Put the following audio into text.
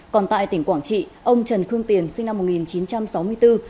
còn tại tỉnh quảng trị ông trần khương tiền sinh năm một nghìn chín trăm sáu mươi bốn